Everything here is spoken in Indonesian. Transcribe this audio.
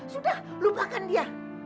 sudah lupakan dia